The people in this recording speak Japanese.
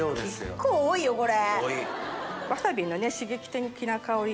結構多いよこれ。